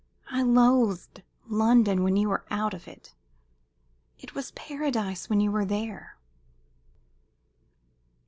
I loathed London when you were out of it. It was paradise when you were there."